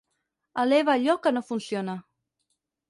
Eleva allò que no funciona.